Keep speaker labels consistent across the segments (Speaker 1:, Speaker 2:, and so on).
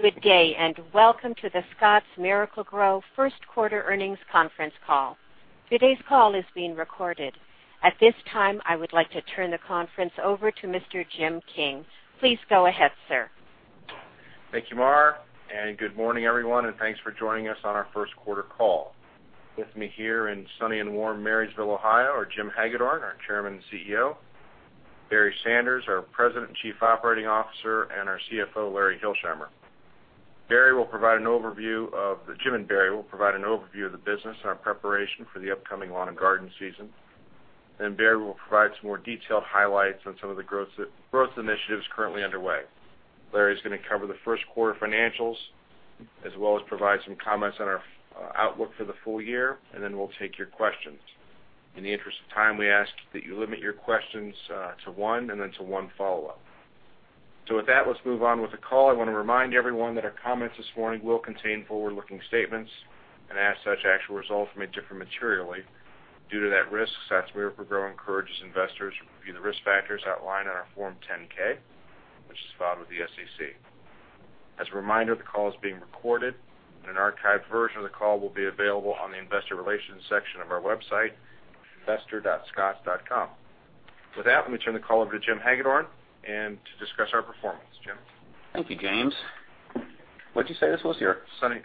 Speaker 1: Good day, welcome to The Scotts Miracle-Gro first quarter earnings conference call. Today's call is being recorded. At this time, I would like to turn the conference over to Mr. Jim King. Please go ahead, sir.
Speaker 2: Thank you, Madison, good morning, everyone, thanks for joining us on our first-quarter call. With me here in sunny and warm Marysville, Ohio are James Hagedorn, our Chairman and CEO; Barry Sanders, our President and Chief Operating Officer; and our CFO, Lawrence Hilsheimer. Jim and Barry will provide an overview of the business and our preparation for the upcoming lawn and garden season, Barry will provide some more detailed highlights on some of the growth initiatives currently underway. Larry's going to cover the first quarter financials, as well as provide some comments on our outlook for the full year, we'll take your questions. In the interest of time, we ask that you limit your questions to one and then to one follow-up. With that, let's move on with the call. I want to remind everyone that our comments this morning will contain forward-looking statements, as such, actual results may differ materially. Due to that risk, Scotts Miracle-Gro encourages investors to review the risk factors outlined in our Form 10-K, which is filed with the SEC. As a reminder, the call is being recorded, an archived version of the call will be available on the investor relations section of our website, investor.scotts.com. With that, let me turn the call over to James Hagedorn to discuss our performance. Jim?
Speaker 3: Thank you, James. What'd you say this was, your?
Speaker 2: No, 50th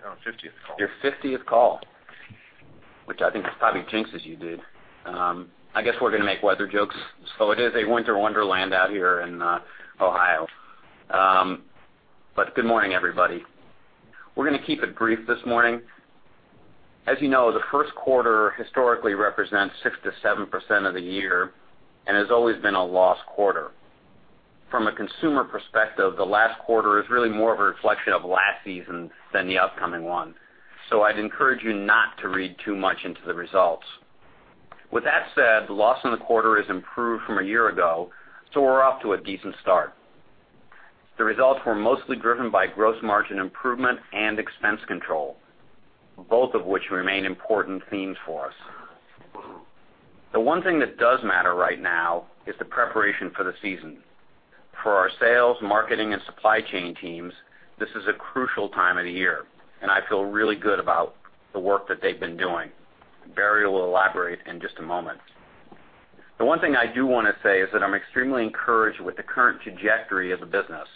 Speaker 2: call.
Speaker 3: Your 50th call, which I think probably jinxes you, dude. I guess we're going to make weather jokes, it is a winter wonderland out here in Ohio. Good morning, everybody. We're going to keep it brief this morning. As you know, the first quarter historically represents 6%-7% of the year and has always been a loss quarter. From a consumer perspective, the last quarter is really more of a reflection of last season than the upcoming one. I'd encourage you not to read too much into the results. With that said, the loss in the quarter has improved from a year ago, we're off to a decent start. The results were mostly driven by gross margin improvement and expense control, both of which remain important themes for us. The one thing that does matter right now is the preparation for the season. For our sales, marketing, and supply chain teams, this is a crucial time of the year, I feel really good about the work that they've been doing. Barry will elaborate in just a moment. The one thing I do want to say is that I'm extremely encouraged with the current trajectory of the business.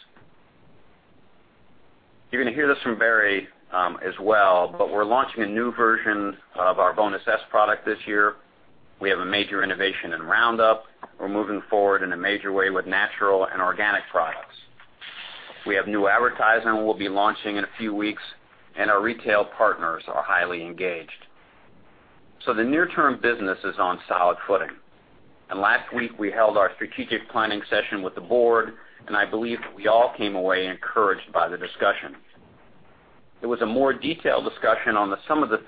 Speaker 3: You're going to hear this from Barry as well, we're launching a new version of our Bonus S product this year. We have a major innovation in Roundup. We're moving forward in a major way with natural and organic products. We have new advertising we'll be launching in a few weeks, and our retail partners are highly engaged. The near-term business is on solid footing. Last week, we held our strategic planning session with the board, and I believe that we all came away encouraged by the discussion. It was a more detailed discussion on some of the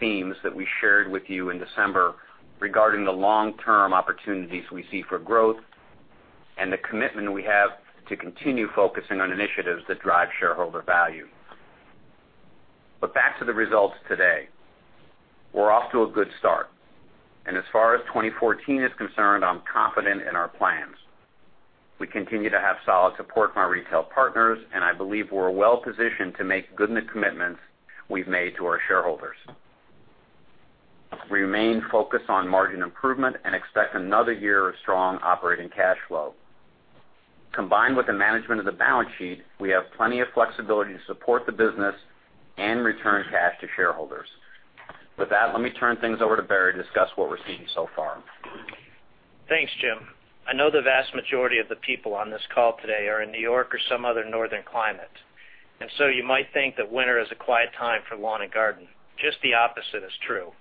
Speaker 3: themes that we shared with you in December regarding the long-term opportunities we see for growth and the commitment we have to continue focusing on initiatives that drive shareholder value. Back to the results today. We're off to a good start, and as far as 2014 is concerned, I'm confident in our plans. We continue to have solid support from our retail partners, and I believe we're well-positioned to make good on the commitments we've made to our shareholders. We remain focused on margin improvement and expect another year of strong operating cash flow. Combined with the management of the balance sheet, we have plenty of flexibility to support the business and return cash to shareholders. With that, let me turn things over to Barry to discuss what we're seeing so far.
Speaker 4: Thanks, Jim. I know the vast majority of the people on this call today are in New York or some other northern climate. You might think that winter is a quiet time for lawn and garden. Just the opposite is true.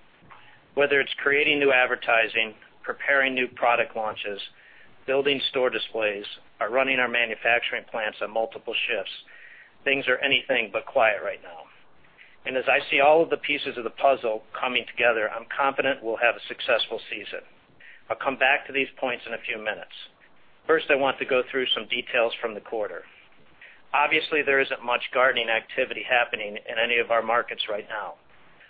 Speaker 4: Whether it's creating new advertising, preparing new product launches, building store displays, or running our manufacturing plants on multiple shifts, things are anything but quiet right now. As I see all of the pieces of the puzzle coming together, I'm confident we'll have a successful season. I'll come back to these points in a few minutes. First, I want to go through some details from the quarter. Obviously, there isn't much gardening activity happening in any of our markets right now.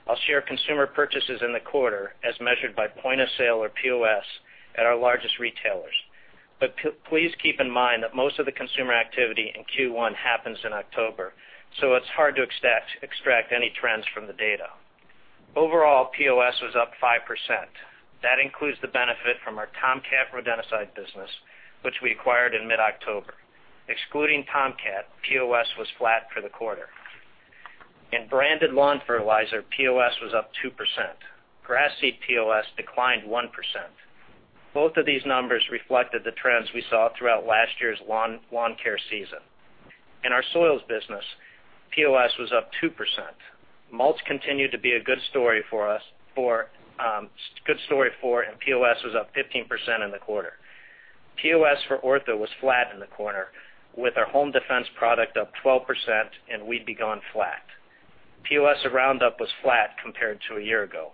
Speaker 4: I'll share consumer purchases in the quarter as measured by point of sale, or POS, at our largest retailers. Please keep in mind that most of the consumer activity in Q1 happens in October. It's hard to extract any trends from the data. Overall, POS was up 5%. That includes the benefit from our Tomcat rodenticide business, which we acquired in mid-October. Excluding Tomcat, POS was flat for the quarter. In branded lawn fertilizer, POS was up 2%. Grass seed POS declined 1%. Both of these numbers reflected the trends we saw throughout last year's lawn care season. In our soils business, POS was up 2%. Mulch continued to be a good story for. POS was up 15% in the quarter. POS for Ortho was flat in the quarter, with our Home Defense product up 12% and Weed B-gon flat. POS of Roundup was flat compared to a year ago.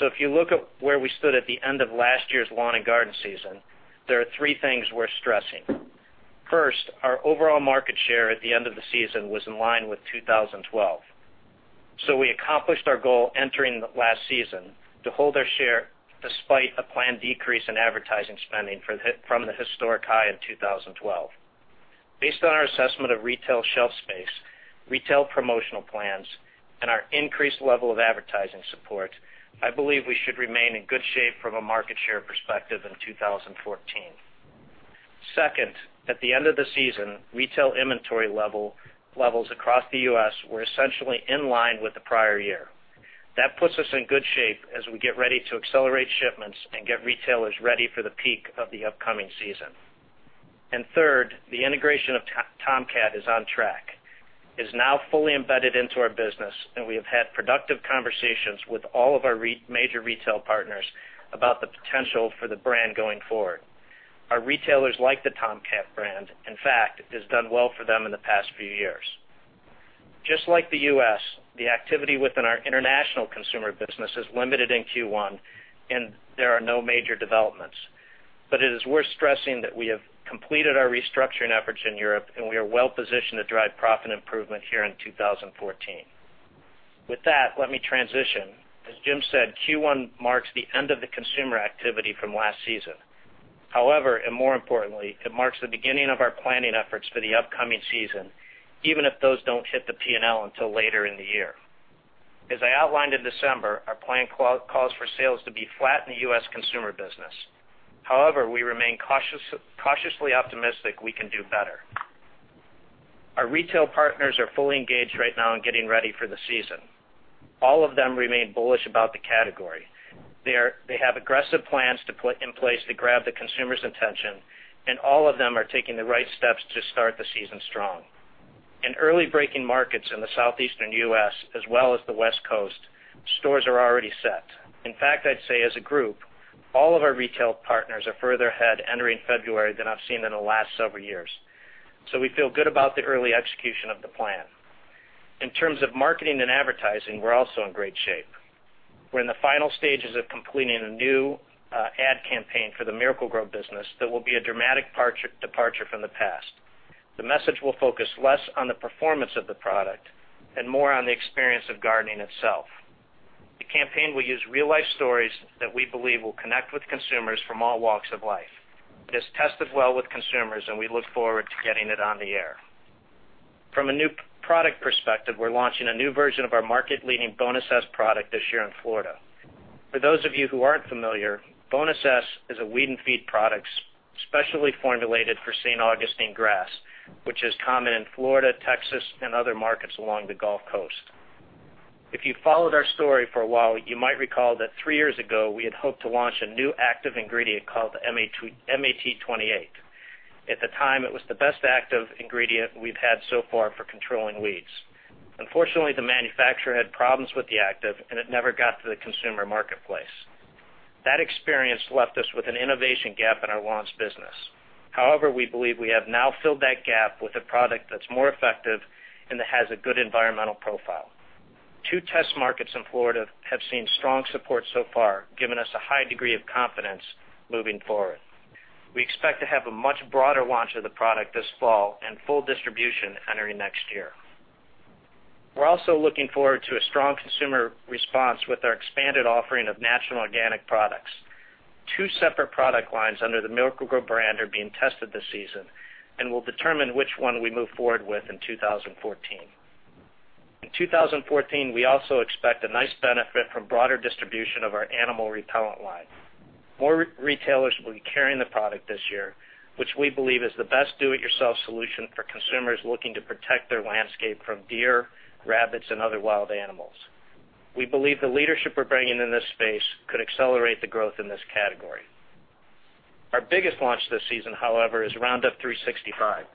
Speaker 4: If you look at where we stood at the end of last year's lawn and garden season, there are three things worth stressing. First, our overall market share at the end of the season was in line with 2012. We accomplished our goal entering the last season to hold our share despite a planned decrease in advertising spending from the historic high in 2012. Based on our assessment of retail shelf space, retail promotional plans, and our increased level of advertising support, I believe we should remain in good shape from a market share perspective in 2014. Second, at the end of the season, retail inventory levels across the U.S. were essentially in line with the prior year. That puts us in good shape as we get ready to accelerate shipments and get retailers ready for the peak of the upcoming season. Third, the integration of Tomcat is on track. It is now fully embedded into our business. We have had productive conversations with all of our major retail partners about the potential for the brand going forward. Our retailers like the Tomcat brand. In fact, it has done well for them in the past few years. Just like the U.S., the activity within our international consumer business is limited in Q1. There are no major developments. It is worth stressing that we have completed our restructuring efforts in Europe. We are well positioned to drive profit improvement here in 2014. With that, let me transition. As Jim said, Q1 marks the end of the consumer activity from last season. However, and more importantly, it marks the beginning of our planning efforts for the upcoming season, even if those don't hit the P&L until later in the year. As I outlined in December, our plan calls for sales to be flat in the U.S. consumer business. However, we remain cautiously optimistic we can do better. Our retail partners are fully engaged right now in getting ready for the season. All of them remain bullish about the category. They have aggressive plans to put in place to grab the consumer's attention, all of them are taking the right steps to start the season strong. In early-breaking markets in the southeastern U.S. as well as the West Coast, stores are already set. In fact, I'd say as a group, all of our retail partners are further ahead entering February than I've seen in the last several years. We feel good about the early execution of the plan. In terms of marketing and advertising, we're also in great shape. We're in the final stages of completing a new ad campaign for the Miracle-Gro business that will be a dramatic departure from the past. The message will focus less on the performance of the product and more on the experience of gardening itself. The campaign will use real-life stories that we believe will connect with consumers from all walks of life. It has tested well with consumers, we look forward to getting it on the air. From a new product perspective, we're launching a new version of our market-leading Bonus S product this year in Florida. For those of you who aren't familiar, Bonus S is a weed and feed product specially formulated for St. Augustine grass, which is common in Florida, Texas, and other markets along the Gulf Coast. If you've followed our story for a while, you might recall that three years ago, we had hoped to launch a new active ingredient called MAT28. At the time, it was the best active ingredient we've had so far for controlling weeds. Unfortunately, the manufacturer had problems with the active, it never got to the consumer marketplace. That experience left us with an innovation gap in our lawn business. However, we believe we have now filled that gap with a product that's more effective and that has a good environmental profile. Two test markets in Florida have seen strong support so far, giving us a high degree of confidence moving forward. We expect to have a much broader launch of the product this fall and full distribution entering next year. We're also looking forward to a strong consumer response with our expanded offering of natural organic products. Two separate product lines under the Miracle-Gro brand are being tested this season, we'll determine which one we move forward with in 2014. In 2014, we also expect a nice benefit from broader distribution of our animal repellent line. More retailers will be carrying the product this year, which we believe is the best do-it-yourself solution for consumers looking to protect their landscape from deer, rabbits, and other wild animals. We believe the leadership we're bringing in this space could accelerate the growth in this category. Our biggest launch this season, however, is Roundup 365.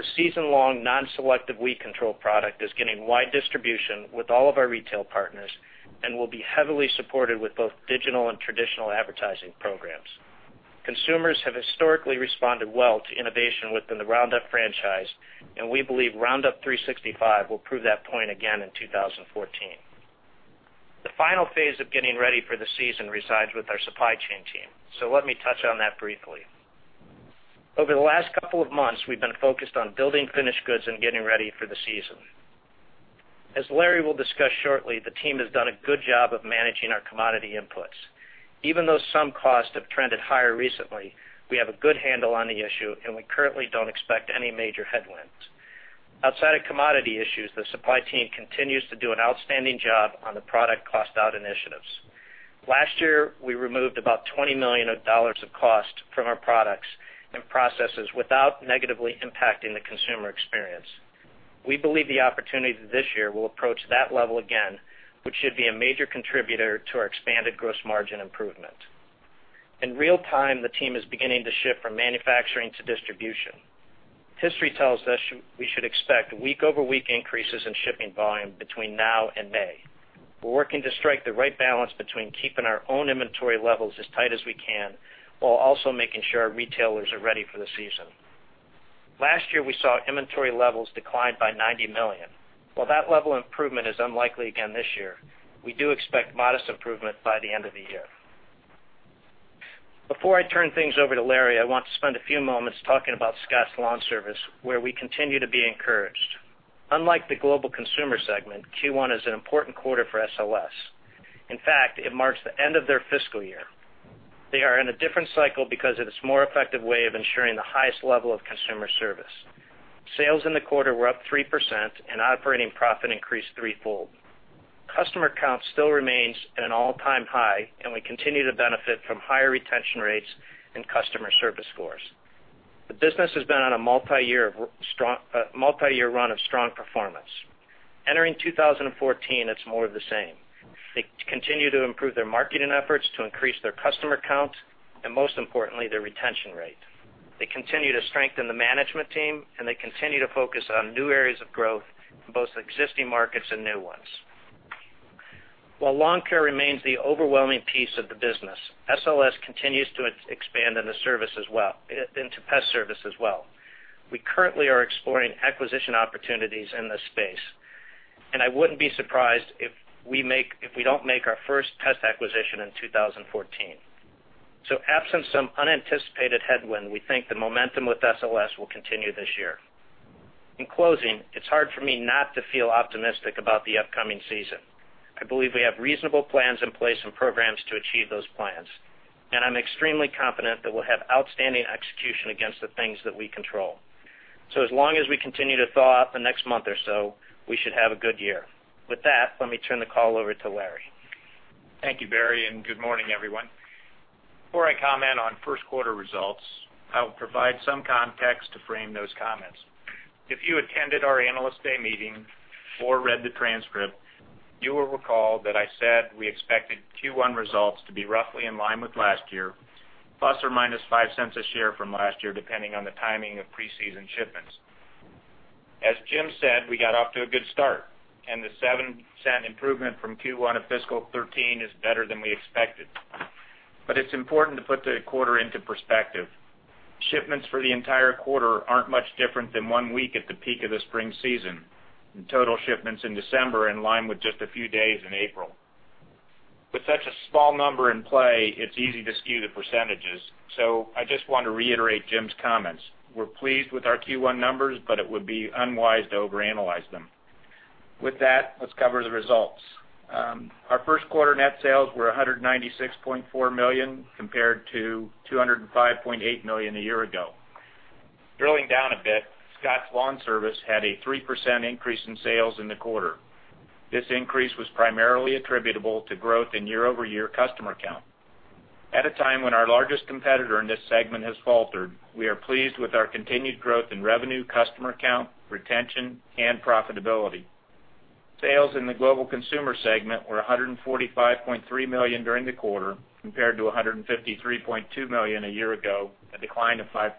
Speaker 4: The season-long non-selective weed control product is getting wide distribution with all of our retail partners and will be heavily supported with both digital and traditional advertising programs. Consumers have historically responded well to innovation within the Roundup franchise, and we believe Roundup 365 will prove that point again in 2014. The final phase of getting ready for the season resides with our supply chain team, so let me touch on that briefly. Over the last couple of months, we've been focused on building finished goods and getting ready for the season. As Larry will discuss shortly, the team has done a good job of managing our commodity inputs. Even though some costs have trended higher recently, we have a good handle on the issue, and we currently don't expect any major headwinds. Outside of commodity issues, the supply team continues to do an outstanding job on the product cost out initiatives. Last year, we removed about $20 million of cost from our products and processes without negatively impacting the consumer experience. We believe the opportunity this year will approach that level again, which should be a major contributor to our expanded gross margin improvement. In real time, the team is beginning to shift from manufacturing to distribution. History tells us we should expect week-over-week increases in shipping volume between now and May. We're working to strike the right balance between keeping our own inventory levels as tight as we can while also making sure our retailers are ready for the season. Last year, we saw inventory levels decline by $90 million. While that level of improvement is unlikely again this year, we do expect modest improvement by the end of the year. Before I turn things over to Larry, I want to spend a few moments talking about Scotts LawnService, where we continue to be encouraged. Unlike the global consumer segment, Q1 is an important quarter for SLS. In fact, it marks the end of their fiscal year. They are in a different cycle because it is a more effective way of ensuring the highest level of consumer service. Sales in the quarter were up 3%, and operating profit increased threefold. Customer count still remains at an all-time high, and we continue to benefit from higher retention rates and customer service scores. The business has been on a multi-year run of strong performance. Entering 2014, it's more of the same. They continue to improve their marketing efforts to increase their customer count and most importantly, their retention rate. They continue to strengthen the management team, and they continue to focus on new areas of growth in both existing markets and new ones. While lawn care remains the overwhelming piece of the business, SLS continues to expand into pest service as well. We currently are exploring acquisition opportunities in this space, and I wouldn't be surprised if we don't make our first pest acquisition in 2014. Absent some unanticipated headwind, we think the momentum with SLS will continue this year. In closing, it's hard for me not to feel optimistic about the upcoming season. I believe we have reasonable plans in place and programs to achieve those plans, and I'm extremely confident that we'll have outstanding execution against the things that we control. As long as we continue to thaw out the next month or so, we should have a good year. With that, let me turn the call over to Larry.
Speaker 5: Thank you, Barry. Good morning, everyone. Before I comment on first quarter results, I will provide some context to frame those comments. If you attended our Analyst Day meeting or read the transcript, you will recall that I said we expected Q1 results to be roughly in line with last year, plus or minus $0.05 a share from last year, depending on the timing of pre-season shipments. As Jim said, we got off to a good start. The 7% improvement from Q1 of fiscal 2013 is better than we expected. It's important to put the quarter into perspective. Shipments for the entire quarter aren't much different than one week at the peak of the spring season. Total shipments in December in line with just a few days in April. With such a small number in play, it's easy to skew the percentages. I just want to reiterate Jim's comments. We're pleased with our Q1 numbers. It would be unwise to overanalyze them. With that, let's cover the results. Our first quarter net sales were $196.4 million compared to $205.8 million a year ago. Drilling down a bit, Scotts LawnService had a 3% increase in sales in the quarter. This increase was primarily attributable to growth in year-over-year customer count. At a time when our largest competitor in this segment has faltered, we are pleased with our continued growth in revenue, customer count, retention, and profitability. Sales in the global consumer segment were $145.3 million during the quarter, compared to $153.2 million a year ago, a decline of 5%.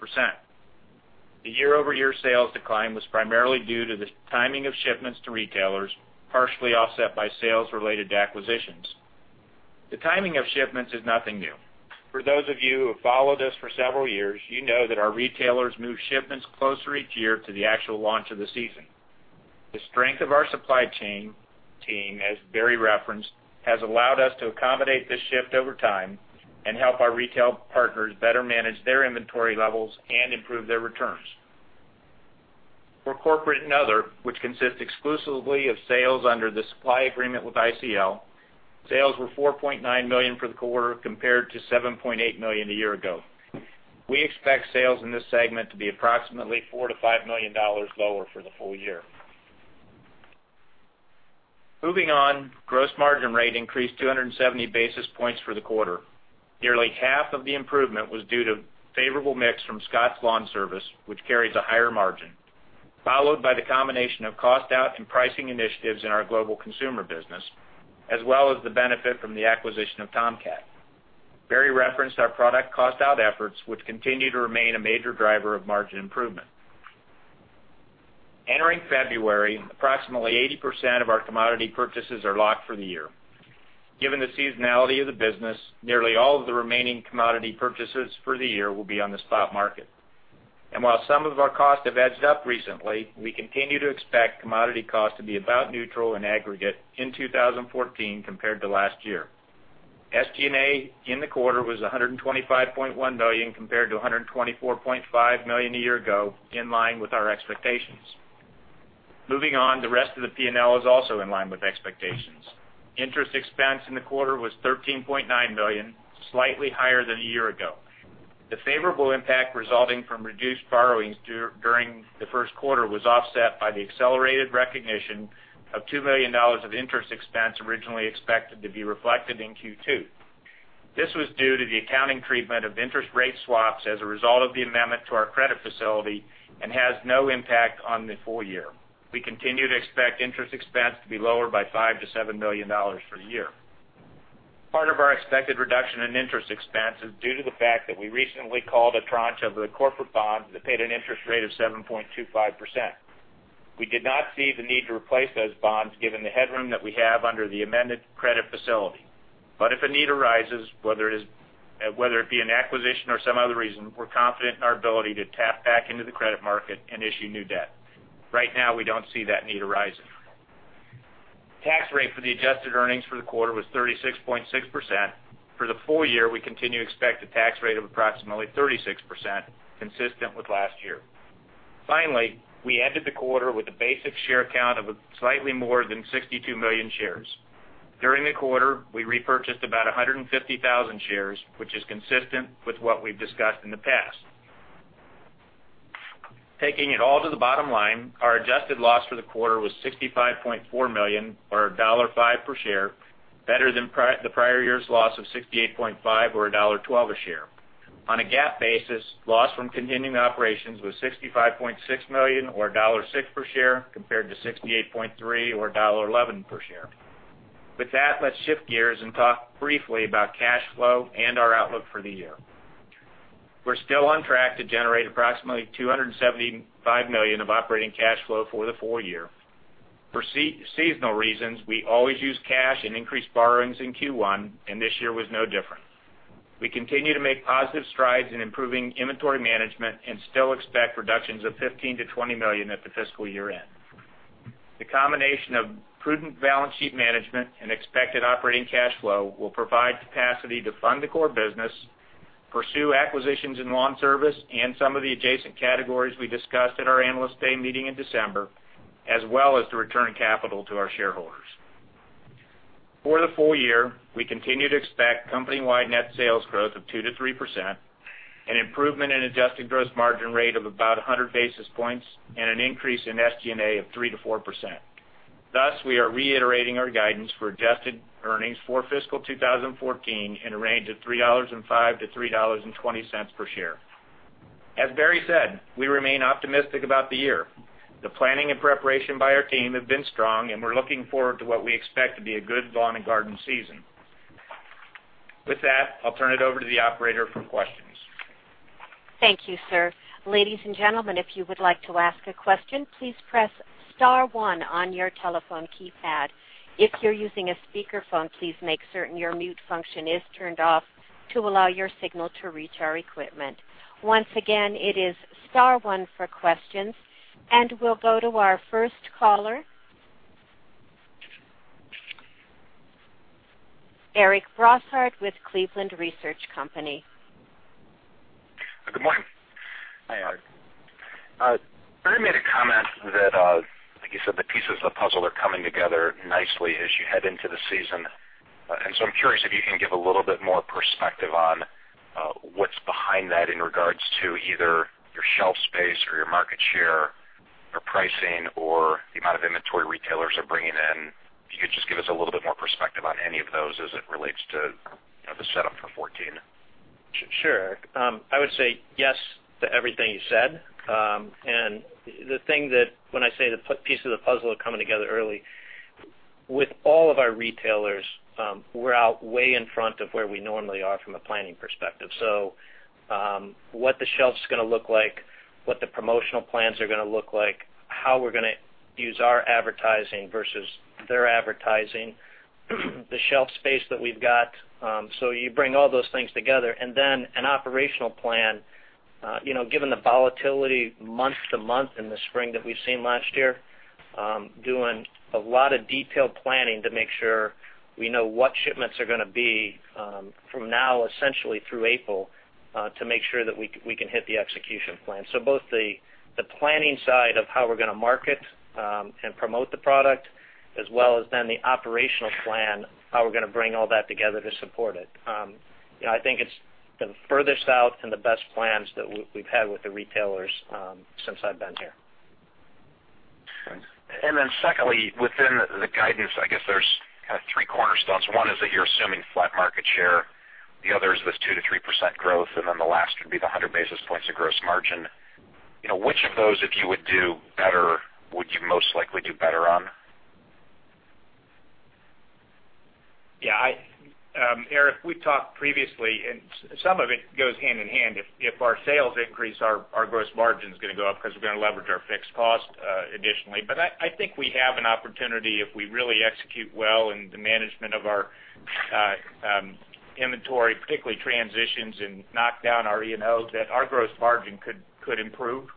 Speaker 5: The year-over-year sales decline was primarily due to the timing of shipments to retailers, partially offset by sales related to acquisitions. The timing of shipments is nothing new. For those of you who have followed us for several years, you know that our retailers move shipments closer each year to the actual launch of the season. The strength of our supply chain team, as Barry referenced, has allowed us to accommodate this shift over time and help our retail partners better manage their inventory levels and improve their returns. For corporate and other, which consists exclusively of sales under the supply agreement with ICL, sales were $4.9 million for the quarter, compared to $7.8 million a year ago. We expect sales in this segment to be approximately $4 million-$5 million lower for the full year. Moving on, gross margin rate increased 270 basis points for the quarter. Nearly half of the improvement was due to favorable mix from Scotts LawnService, which carries a higher margin, followed by the combination of cost out and pricing initiatives in our global consumer business, as well as the benefit from the acquisition of Tomcat. Barry referenced our product cost out efforts, which continue to remain a major driver of margin improvement. Entering February, approximately 80% of our commodity purchases are locked for the year. Given the seasonality of the business, nearly all of the remaining commodity purchases for the year will be on the spot market. While some of our costs have edged up recently, we continue to expect commodity costs to be about neutral in aggregate in 2014 compared to last year. SG&A in the quarter was $125.1 million, compared to $124.5 million a year ago, in line with our expectations. Moving on, the rest of the P&L is also in line with expectations. Interest expense in the quarter was $13.9 million, slightly higher than a year ago. The favorable impact resulting from reduced borrowings during the first quarter was offset by the accelerated recognition of $2 million of interest expense originally expected to be reflected in Q2. This was due to the accounting treatment of interest rate swaps as a result of the amendment to our credit facility and has no impact on the full year. We continue to expect interest expense to be lower by $5 million-$7 million for the year. Part of our expected reduction in interest expense is due to the fact that we recently called a tranche of the corporate bonds that paid an interest rate of 7.25%. We did not see the need to replace those bonds given the headroom that we have under the amended credit facility. If a need arises, whether it be an acquisition or some other reason, we're confident in our ability to tap back into the credit market and issue new debt. Right now, we don't see that need arising. Tax rate for the adjusted earnings for the quarter was 36.6%. For the full year, we continue to expect a tax rate of approximately 36%, consistent with last year. Finally, we ended the quarter with a basic share count of slightly more than 62 million shares. During the quarter, we repurchased about 150,000 shares, which is consistent with what we've discussed in the past. Taking it all to the bottom line, our adjusted loss for the quarter was $65.4 million, or $1.05 per share, better than the prior year's loss of $68.5 million or $1.12 per share. On a GAAP basis, loss from continuing operations was $65.6 million or $1.06 per share, compared to $68.3 million or $1.11 per share. With that, let's shift gears and talk briefly about cash flow and our outlook for the year. We're still on track to generate approximately $275 million of operating cash flow for the full year. For seasonal reasons, we always use cash and increase borrowings in Q1, and this year was no different. We continue to make positive strides in improving inventory management and still expect reductions of $15 million-$20 million at the fiscal year-end. The combination of prudent balance sheet management and expected operating cash flow will provide capacity to fund the core business, pursue acquisitions in lawn service, and some of the adjacent categories we discussed at our Analyst Day meeting in December, as well as to return capital to our shareholders. For the full year, we continue to expect company-wide net sales growth of 2%-3%, an improvement in adjusted gross margin rate of about 100 basis points, and an increase in SG&A of 3%-4%. Thus, we are reiterating our guidance for adjusted earnings for fiscal 2014 in a range of $3.05-$3.20 per share. As Barry said, we remain optimistic about the year. The planning and preparation by our team have been strong, and we're looking forward to what we expect to be a good lawn and garden season. With that, I'll turn it over to the operator for questions.
Speaker 1: Thank you, sir. Ladies and gentlemen, if you would like to ask a question, please press star one on your telephone keypad. If you're using a speakerphone, please make certain your mute function is turned off to allow your signal to reach our equipment. Once again, it is star one for questions, and we'll go to our first caller, Eric Bouchard with Cleveland Research Company.
Speaker 6: Good morning.
Speaker 5: Hi, Eric.
Speaker 6: Barry made a comment that, like you said, the pieces of the puzzle are coming together nicely as you head into the season. I'm curious if you can give a little bit more perspective on what's behind that in regards to either your shelf space or your market share or pricing or the amount of inventory retailers are bringing in. If you could just give us a little bit more perspective on any of those as it relates to the setup for 2014.
Speaker 4: Sure. I would say yes to everything you said. The thing that when I say the pieces of the puzzle are coming together early, with all of our retailers, we're out way in front of where we normally are from a planning perspective. What the shelf's going to look like, what the promotional plans are going to look like, how we're going to use our advertising versus their advertising, the shelf space that we've got. You bring all those things together and then an operational plan. Given the volatility month-to-month in the spring that we've seen last year, doing a lot of detailed planning to make sure we know what shipments are going to be from now essentially through April, to make sure that we can hit the execution plan. Both the planning side of how we're going to market and promote the product, as well as then the operational plan, how we're going to bring all that together to support it. I think it's the furthest out and the best plans that we've had with the retailers since I've been here.
Speaker 6: Secondly, within the guidance, I guess there's kind of 3 cornerstones. One is that you're assuming flat market share. The other is this 2%-3% growth, the last would be the 100 basis points of gross margin. Which of those, if you would do better, would you most likely do better on?
Speaker 5: Eric, we talked previously, some of it goes hand in hand. If our sales increase, our gross margin is going to go up because we're going to leverage our fixed cost additionally. I think we have an opportunity if we really execute well in the management of our inventory, particularly transitions and knock down our E&O, that our gross margin could improve.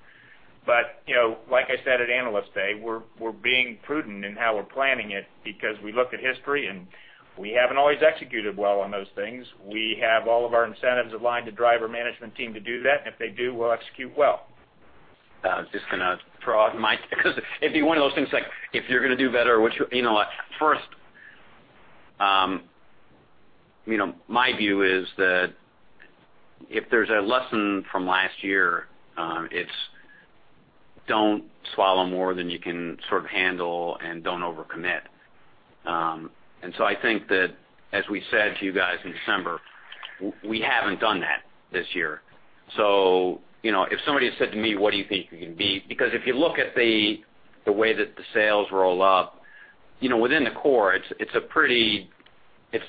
Speaker 5: Like I said at Analyst Day, we're being prudent in how we're planning it because we look at history and we haven't always executed well on those things. We have all of our incentives aligned to drive our management team to do that. If they do, we'll execute well.
Speaker 3: I was just going to throw out Mike, because it'd be one of those things, like if you're going to do better, first, my view is that if there's a lesson from last year, it's don't swallow more than you can sort of handle and don't overcommit. I think that as we said to you guys in December, we haven't done that this year. If somebody had said to me, what do you think you're going to beat? Because if you look at the way that the sales roll up within the core, it's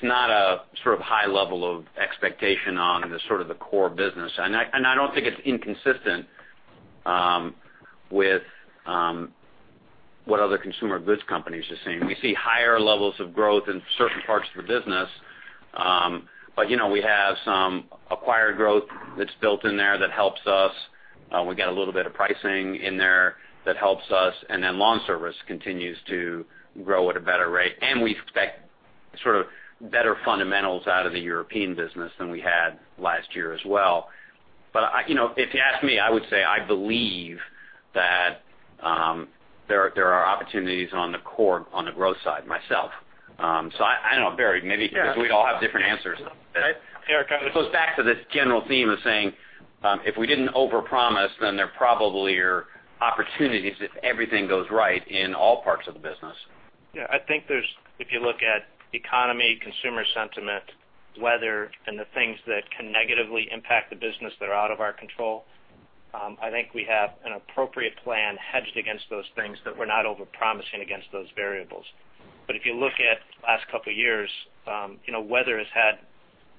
Speaker 3: not a sort of high level of expectation on the sort of the core business. I don't think it's inconsistent with what other consumer goods companies are seeing. We see higher levels of growth in certain parts of the business We have some acquired growth that's built in there that helps us. We get a little bit of pricing in there that helps us, Scotts LawnService continues to grow at a better rate, we expect better fundamentals out of the European business than we had last year as well. If you ask me, I would say I believe that there are opportunities on the growth side myself. I know, Barry, maybe because we all have different answers.
Speaker 4: Yeah.
Speaker 3: It goes back to the general theme of saying, if we didn't overpromise, there probably are opportunities if everything goes right in all parts of the business.
Speaker 4: Yeah, I think if you look at economy, consumer sentiment, weather, and the things that can negatively impact the business that are out of our control, I think we have an appropriate plan hedged against those things that we're not overpromising against those variables. If you look at the last couple of years, weather has had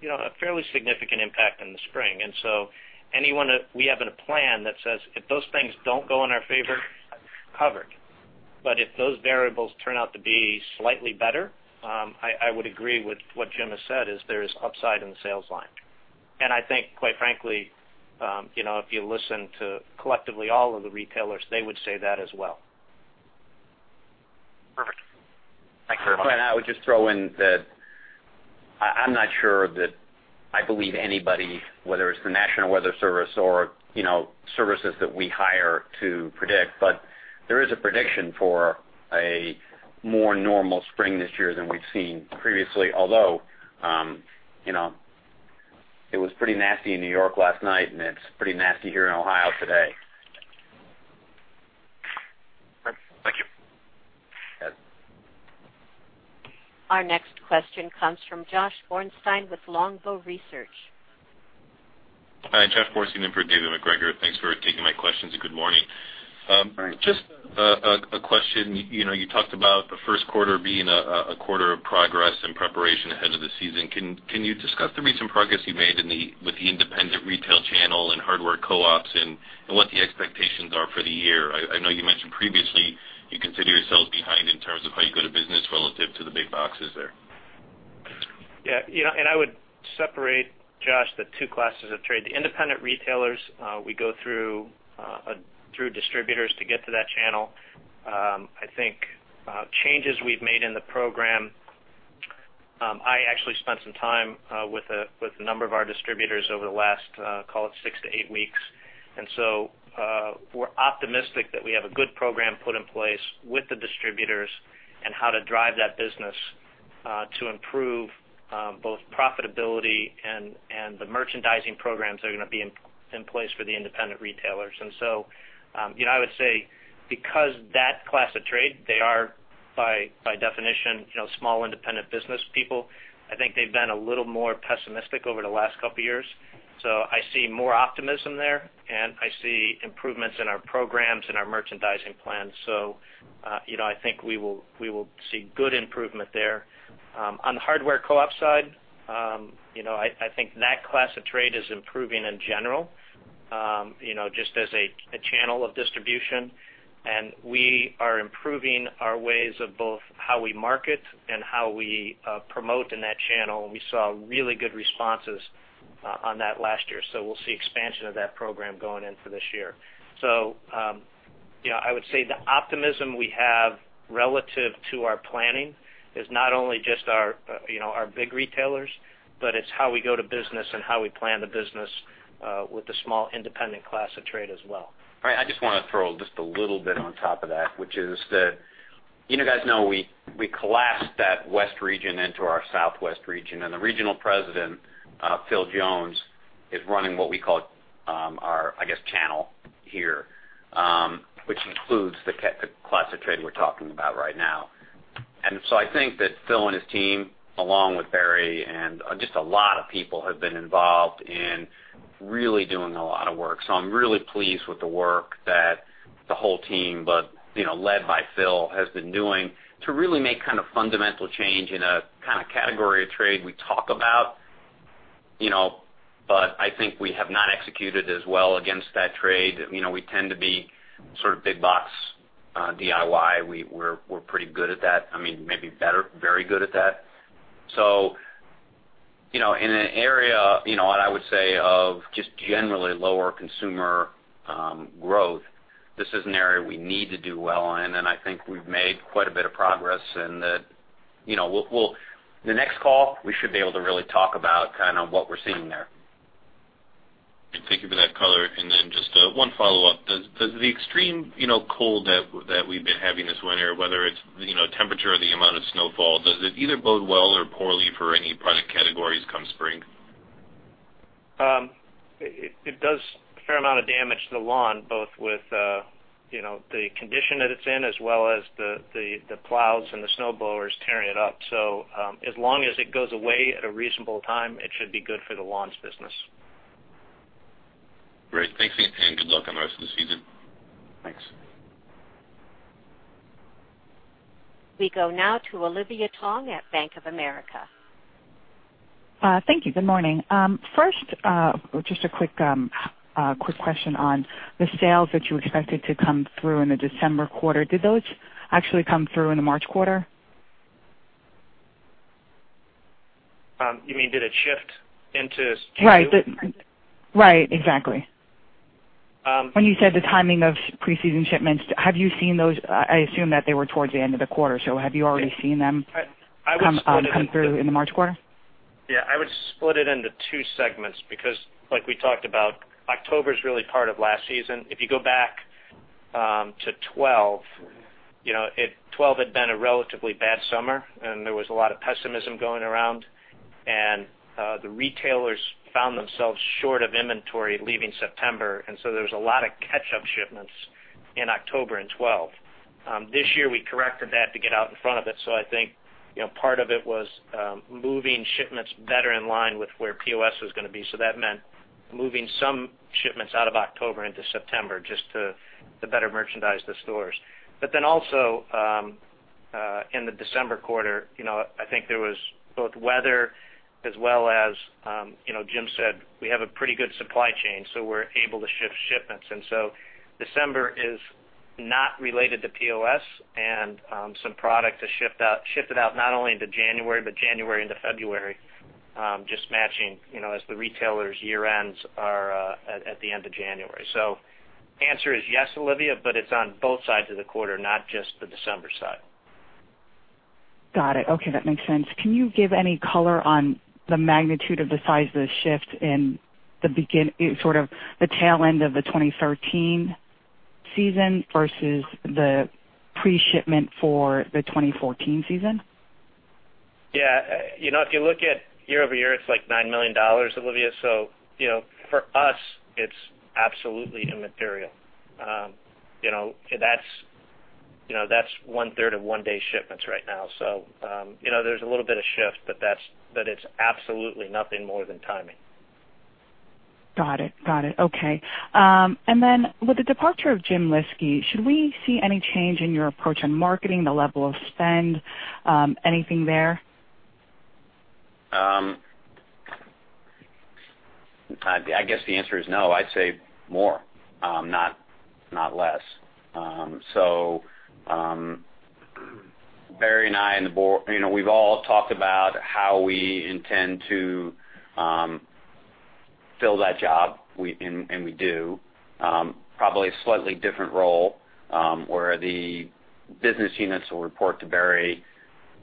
Speaker 4: a fairly significant impact in the spring. We have a plan that says, if those things don't go in our favor, covered. If those variables turn out to be slightly better, I would agree with what Jim has said is there is upside in the sales line. I think, quite frankly, if you listen to collectively all of the retailers, they would say that as well.
Speaker 6: Perfect. Thank you very much.
Speaker 3: I would just throw in that I'm not sure that I believe anybody, whether it's the National Weather Service or services that we hire to predict, but there is a prediction for a more normal spring this year than we've seen previously, although, it was pretty nasty in New York last night, and it's pretty nasty here in Ohio today.
Speaker 6: Perfect. Thank you.
Speaker 3: Yes.
Speaker 1: Our next question comes from Joshua Borstein with Longbow Research.
Speaker 7: Hi, Joshua Borstein in for David MacGregor. Thanks for taking my questions and good morning.
Speaker 4: Right.
Speaker 7: Just a question. You talked about the first quarter being a quarter of progress and preparation ahead of the season. Can you discuss the recent progress you made with the independent retail channel and hardware co-ops, and what the expectations are for the year? I know you mentioned previously you consider yourselves behind in terms of how you go to business relative to the big boxes there.
Speaker 4: Yeah. I would separate, Josh, the two classes of trade. The independent retailers, we go through distributors to get to that channel. I think changes we've made in the program, I actually spent some time with a number of our distributors over the last, call it six to eight weeks. We're optimistic that we have a good program put in place with the distributors and how to drive that business to improve both profitability and the merchandising programs that are going to be in place for the independent retailers. I would say because that class of trade, they are by definition small independent business people, I think they've been a little more pessimistic over the last couple of years. I see more optimism there, and I see improvements in our programs and our merchandising plans. I think we will see good improvement there. On the hardware co-op side, I think that class of trade is improving in general, just as a channel of distribution. We are improving our ways of both how we market and how we promote in that channel. We saw really good responses on that last year. We'll see expansion of that program going in for this year. I would say the optimism we have relative to our planning is not only just our big retailers, but it's how we go to business and how we plan the business with the small independent class of trade as well.
Speaker 3: Right. I just want to throw just a little bit on top of that, which is that you guys know we collapsed that west region into our southwest region, and the regional president, Phil Jones, is running what we call our channel here, which includes the class of trade we're talking about right now. I think that Phil and his team, along with Barry and just a lot of people, have been involved in really doing a lot of work. I'm really pleased with the work that the whole team, led by Phil, has been doing to really make fundamental change in a kind of category of trade we talk about. I think we have not executed as well against that trade. We tend to be sort of big box DIY. We're pretty good at that. Maybe very good at that. In an area, I would say of just generally lower consumer growth, this is an area we need to do well in. I think we've made quite a bit of progress. The next call, we should be able to really talk about what we're seeing there.
Speaker 7: Thank you for that color. Just one follow-up. Does the extreme cold that we've been having this winter, whether it's temperature or the amount of snowfall, does it either bode well or poorly for any product categories come spring?
Speaker 4: It does a fair amount of damage to the lawn, both with the condition that it's in as well as the plows and the snowblowers tearing it up. As long as it goes away at a reasonable time, it should be good for the lawns business.
Speaker 7: Great. Thanks again, good luck on the rest of the season.
Speaker 4: Thanks.
Speaker 1: We go now to Olivia Tong at Bank of America.
Speaker 8: Thank you. Good morning. First, just a quick question on the sales that you expected to come through in the December quarter. Did those actually come through in the March quarter? You mean, did it shift into Q2? Right. Exactly.
Speaker 4: Um-
Speaker 8: When you said the timing of pre-season shipments, have you seen those? I assume that they were towards the end of the quarter. Have you already seen them?
Speaker 4: I-
Speaker 8: -come through in the March quarter?
Speaker 4: Yeah, I would split it into two segments because as we talked about, October is really part of last season. If you go back to 2012 had been a relatively bad summer, and there was a lot of pessimism going around, and the retailers found themselves short of inventory leaving September, and there was a lot of catch-up shipments in October in 2012. This year, we corrected that to get out in front of it. I think, part of it was moving shipments better in line with where POS was going to be. Also, in the December quarter, I think there was both weather as well as Jim said, we have a pretty good supply chain, so we're able to shift shipments. December is not related to POS and some product is shifted out not only into January, but January into February, just matching as the retailers' year ends are at the end of January. The answer is yes, Olivia, but it's on both sides of the quarter, not just the December side.
Speaker 8: Got it. Okay. That makes sense. Can you give any color on the magnitude of the size of the shift in the tail end of the 2013 season versus the pre-shipment for the 2014 season?
Speaker 4: Yeah. If you look at year-over-year, it's like $9 million, Olivia Tong. For us, it's absolutely immaterial. That's one-third of one-day shipments right now. There's a little bit of shift, but it's absolutely nothing more than timing.
Speaker 8: Got it. Okay. With the departure of Jim Lyski, should we see any change in your approach on marketing, the level of spend, anything there?
Speaker 3: I guess the answer is no. I'd say more, not less. Barry and I and the board, we've all talked about how we intend to fill that job, and we do. Probably a slightly different role, where the business units will report to Barry,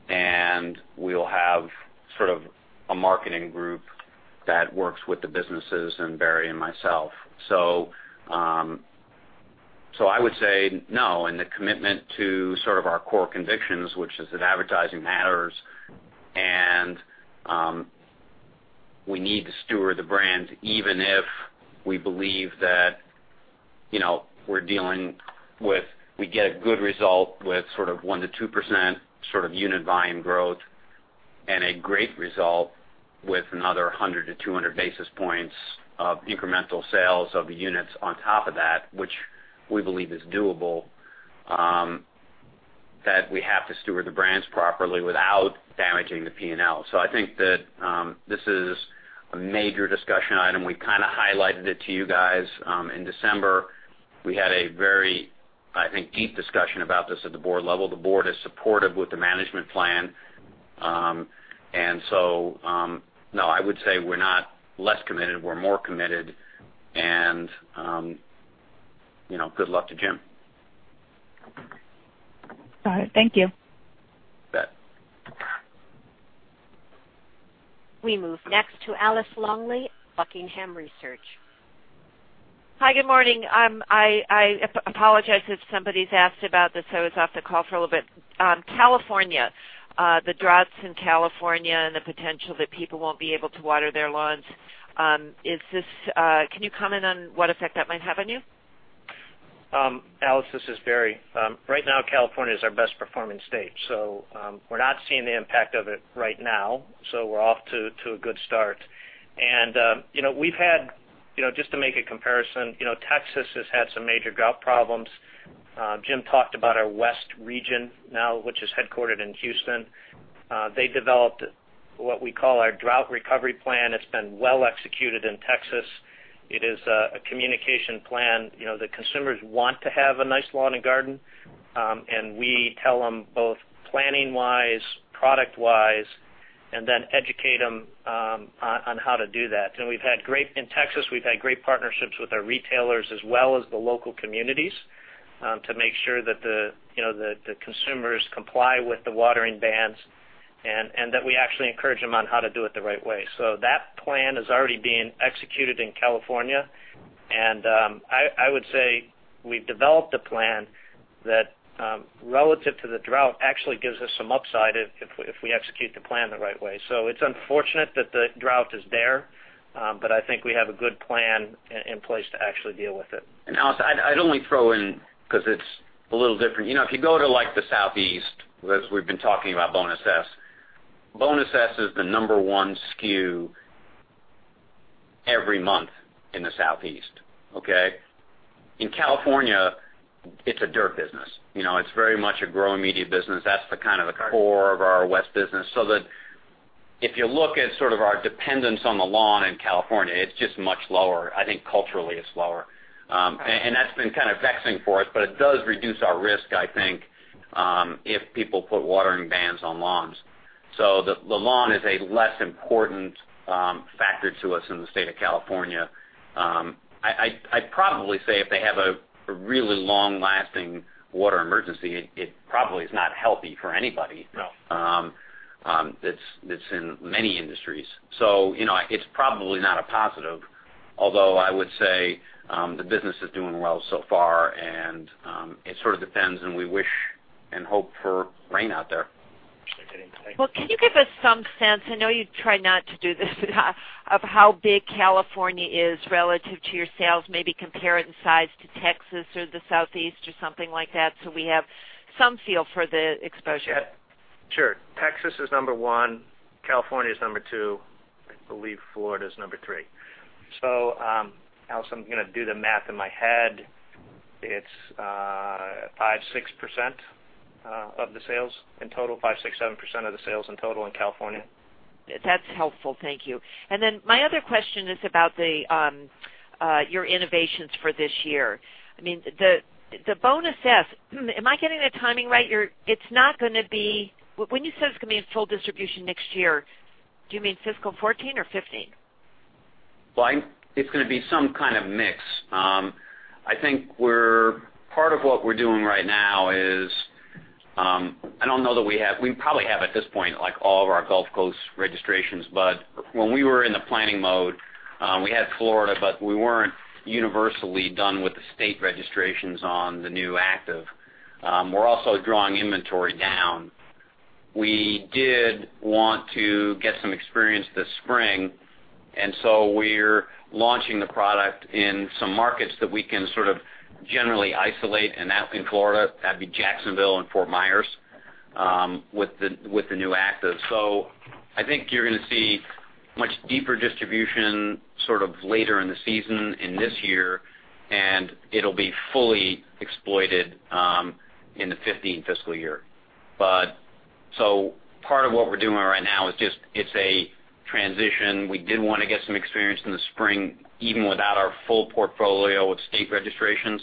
Speaker 3: and we'll have sort of a marketing group that works with the businesses and Barry and myself. I would say no, and the commitment to sort of our core convictions, which is that advertising matters and we need to steward the brand, even if we believe that we get a good result with sort of 1%-2% unit volume growth and a great result with another 100-200 basis points of incremental sales of units on top of that, which we believe is doable, that we have to steward the brands properly without damaging the P&L. I think that this is a major discussion item. We kind of highlighted it to you guys in December. We had a very, I think, deep discussion about this at the board level. The board is supportive with the management plan. No, I would say we're not less committed, we're more committed and good luck to Jim.
Speaker 8: Got it. Thank you.
Speaker 4: You bet.
Speaker 1: We move next to Alice Longley, Buckingham Research.
Speaker 9: Hi. Good morning. I apologize if somebody's asked about this. I was off the call for a little bit. California, the droughts in California and the potential that people won't be able to water their lawns. Can you comment on what effect that might have on you?
Speaker 4: Alice, this is Barry. Right now, California is our best performing state, we're not seeing the impact of it right now. We're off to a good start. We've had, just to make a comparison, Texas has had some major drought problems. Jim talked about our West region now, which is headquartered in Houston. They developed what we call our drought recovery plan. It's been well executed in Texas. It is a communication plan. The consumers want to have a nice lawn and garden, and we tell them both planning-wise, product-wise, and then educate them on how to do that. In Texas, we've had great partnerships with our retailers as well as the local communities, to make sure that the consumers comply with the watering bans and that we actually encourage them on how to do it the right way. That plan is already being executed in California, I would say we've developed a plan that, relative to the drought, actually gives us some upside if we execute the plan the right way. It's unfortunate that the drought is there, I think we have a good plan in place to actually deal with it. Alice, I'd only throw in because it's a little different. If you go to the Southeast, as we've been talking about Bonus S, Bonus S is the number one SKU every month in the Southeast. Okay? In California, it's a dirt business. It's very much a growing media business. That's the kind of the core of our West business. That if you look at sort of our dependence on the lawn in California, it's just much lower. I think culturally it's lower.
Speaker 3: That's been kind of vexing for us, it does reduce our risk, I think, if people put watering bans on lawns. The lawn is a less important factor to us in the state of California. I'd probably say if they have a really long-lasting water emergency, it probably is not healthy for anybody.
Speaker 4: No
Speaker 3: that's in many industries. It's probably not a positive, although I would say the business is doing well so far, and it sort of depends, and we wish and hope for rain out there.
Speaker 9: Sure thing. Thank you. Can you give us some sense, I know you try not to do this of how big California is relative to your sales, maybe compare it in size to Texas or the Southeast or something like that so we have some feel for the exposure.
Speaker 4: Sure. Texas is number 1. California is number 2. I believe Florida's number 3. Alice, I'm going to do the math in my head. It's 5%, 6% of the sales in total, 5%, 6%, 7% of the sales in total in California.
Speaker 9: That's helpful. Thank you. My other question is about your innovations for this year. The Bonus S, am I getting the timing right? When you said it's going to be in full distribution next year, do you mean fiscal 2014 or 2015?
Speaker 3: It's going to be some kind of mix. I think part of what we're doing right now is, I don't know that we have at this point, like all of our Gulf Coast registrations. When we were in the planning mode, we had Florida, but we weren't universally done with the state registrations on the new active. We're also drawing inventory down. We did want to get some experience this spring, we're launching the product in some markets that we can sort of generally isolate in Florida, that'd be Jacksonville and Fort Myers, with the new active. I think you're going to see much deeper distribution sort of later in the season in this year, and it'll be fully exploited in the 2015 fiscal year. Part of what we're doing right now is just, it's a transition. We did want to get some experience in the spring, even without our full portfolio of state registrations.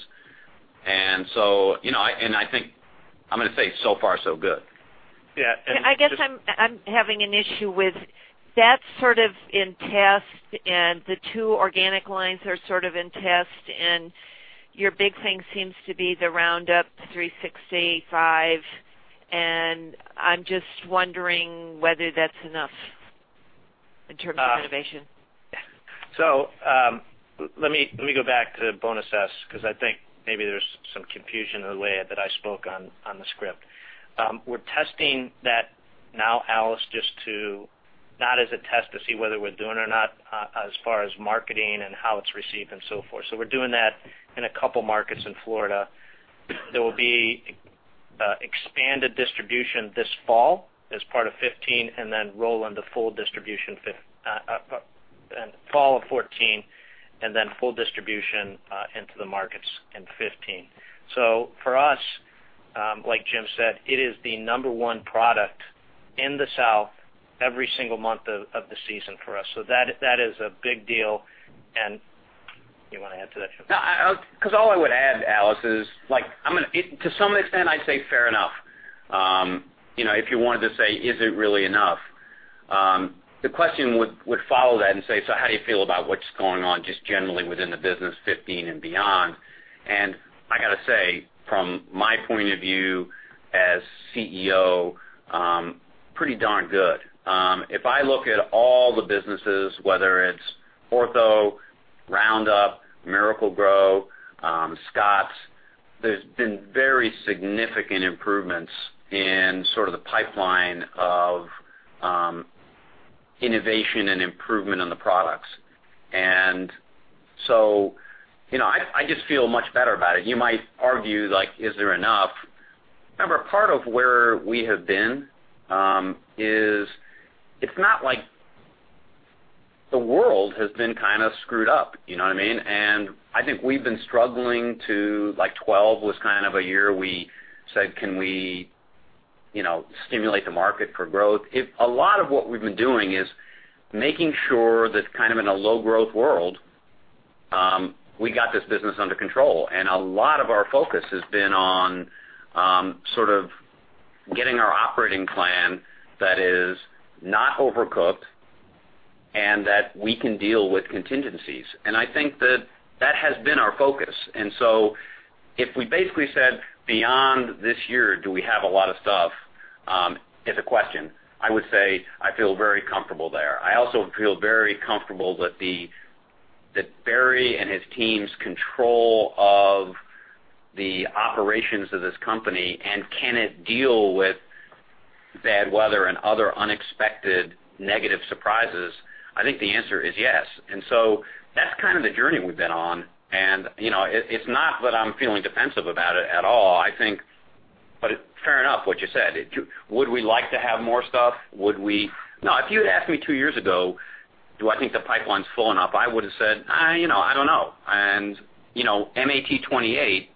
Speaker 3: I think I'm going to say so far so good.
Speaker 4: Yeah.
Speaker 9: I guess I'm having an issue with that sort of in test. The two organic lines are sort of in test. Your big thing seems to be the Roundup 365. I'm just wondering whether that's enough in terms of innovation.
Speaker 4: Let me go back to Bonus S because I think maybe there's some confusion in the way that I spoke on the script. We're testing that now, Alice, just to, not as a test to see whether we're doing or not, as far as marketing and how it's received and so forth. We're doing that in a couple markets in Florida. There will be expanded distribution this fall as part of 2015, then roll into full distribution, fall of 2014, then full distribution into the markets in 2015. For us, like Jim said, it is the number one product in the South every single month of the season for us. That is a big deal, do you want to add to that, Jim?
Speaker 3: No, because all I would add, Alice, is to some extent, I'd say fair enough. If you wanted to say, is it really enough? The question would follow that and say, "How do you feel about what's going on just generally within the business 2015 and beyond?" I got to say, from my point of view as CEO, pretty darn good. If I look at all the businesses, whether it's Ortho, Roundup, Miracle-Gro, Scotts, there's been very significant improvements in sort of the pipeline of innovation and improvement on the products. I just feel much better about it. You might argue, like, is there enough? Remember, part of where we have been is it's not like the world has been kind of screwed up. You know what I mean? I think we've been struggling to, like 2012 was kind of a year we said, "Can we stimulate the market for growth?" A lot of what we've been doing is making sure that kind of in a low growth world, we got this business under control. A lot of our focus has been on sort of getting our operating plan that is not overcooked and that we can deal with contingencies. I think that has been our focus. If we basically said, beyond this year, do we have a lot of stuff? Is a question. I would say I feel very comfortable there. I also feel very comfortable that Barry and his team's control of the operations of this company, and can it deal with bad weather and other unexpected negative surprises, I think the answer is yes. That's kind of the journey we've been on. It's not that I'm feeling defensive about it at all, I think. Fair enough, what you said. Would we like to have more stuff? Now, if you had asked me two years ago, do I think the pipeline's full enough? I would have said, "I don't know." MAT 28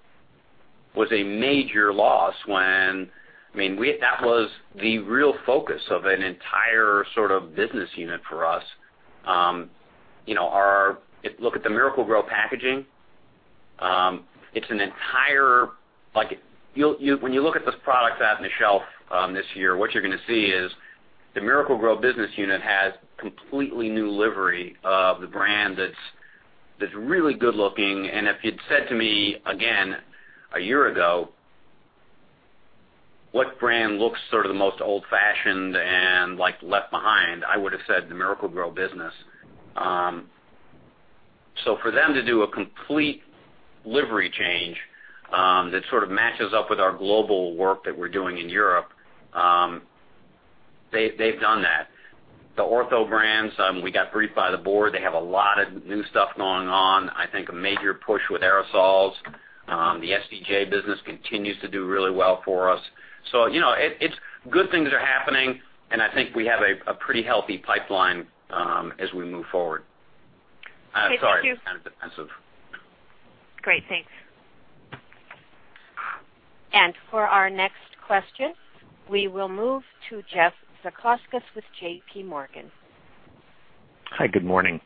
Speaker 3: was a major loss when that was the real focus of an entire sort of business unit for us. Look at the Miracle-Gro packaging. When you look at this product out in the shelf this year, what you're going to see is the Miracle-Gro business unit has completely new livery of the brand that's really good looking. If you'd said to me again a year ago, "What brand looks sort of the most old-fashioned and left behind?" I would have said the Miracle-Gro business. For them to do a complete livery change that sort of matches up with our global work that we're doing in Europe, they've done that. The Ortho brands, we got briefed by the board. They have a lot of new stuff going on, I think a major push with aerosols. The SCJ business continues to do really well for us. Good things are happening, and I think we have a pretty healthy pipeline as we move forward.
Speaker 9: Okay. Thank you.
Speaker 3: Sorry, kind of defensive.
Speaker 9: Great. Thanks.
Speaker 1: For our next question, we will move to Jeff Ziolkowski with JPMorgan.
Speaker 10: Hi, good morning.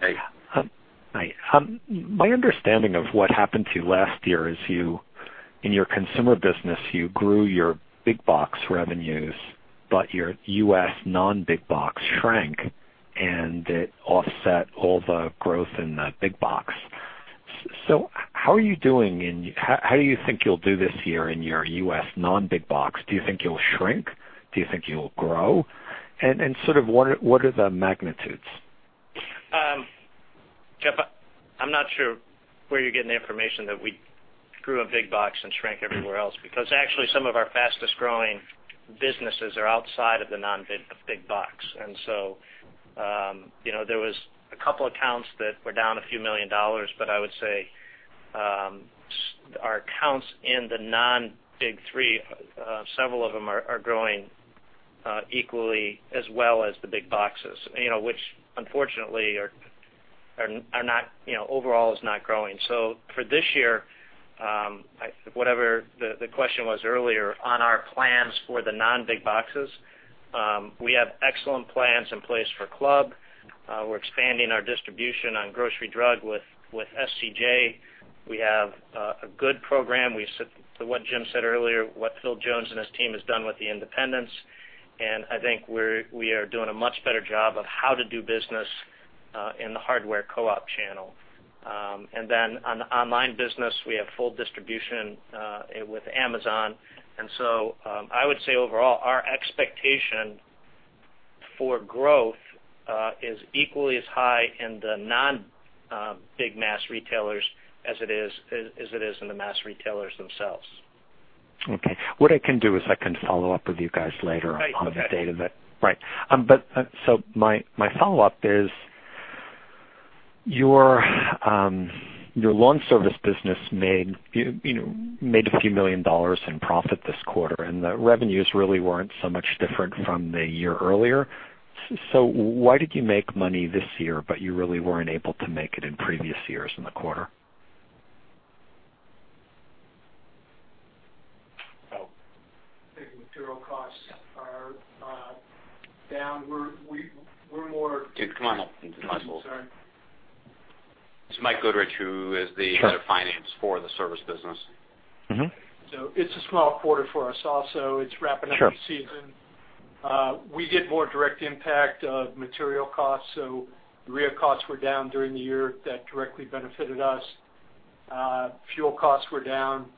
Speaker 3: Hey.
Speaker 10: Hi. My understanding of what happened to you last year is in your consumer business, you grew your big box revenues, but your U.S. non-big box shrank, and it offset all the growth in the big box. How do you think you'll do this year in your U.S. non-big box? Do you think you'll shrink? Do you think you'll grow? Sort of, what are the magnitudes?
Speaker 4: Jeff, I'm not sure where you're getting the information that we grew on big box and shrank everywhere else, because actually some of our fastest-growing businesses are outside of the non-big box. There was a couple accounts that were down a few million dollars, but I would say, our accounts in the non-big three, several of them are growing equally as well as the big boxes which unfortunately overall is not growing. For this year, whatever the question was earlier on our plans for the non-big boxes, we have excellent plans in place for club. We're expanding our distribution on grocery drug with SCJ. We have a good program. What Jim said earlier, what Phil Jones and his team has done with the independents, I think we are doing a much better job of how to do business, in the hardware co-op channel. On the online business, we have full distribution with Amazon. I would say overall, our expectation for growth is equally as high in the non-big mass retailers as it is in the mass retailers themselves.
Speaker 10: Okay. What I can do is I can follow up with you guys later.
Speaker 4: Right. Okay.
Speaker 10: My follow-up is, your lawn service business made a few million dollars in profit this quarter, and the revenues really weren't so much different from the year earlier. Why did you make money this year, but you really weren't able to make it in previous years in the quarter?
Speaker 4: Oh.
Speaker 11: I think material costs are down.
Speaker 3: Dude, come on up to the mic.
Speaker 11: Sorry.
Speaker 3: It's Mike Goodrich.
Speaker 10: Sure
Speaker 3: of finance for the service business.
Speaker 11: It's a small quarter for us also. It's wrapping up-
Speaker 10: Sure
Speaker 11: the season. We get more direct impact of material costs, so urea costs were down during the year. That directly benefited us. Fuel costs were down